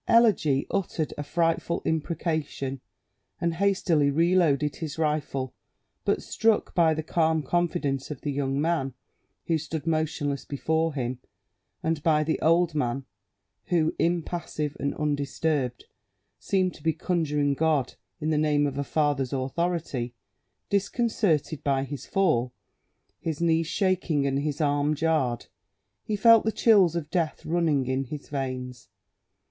Eligi uttered a frightful inprecation, and hastily reloaded his rifle; but, struck by the calm confidence of the young man, who stood motionless before him, and by the old man, who, impassive and undisturbed, seemed to be conjuring God in the name of a father's authority, disconcerted by his fall, his knees shaking and his arm jarred, he felt the chills of death running in his veins.